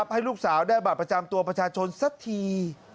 ให้ลูกสาวได้บัตรประจำตัวประชาชนสักที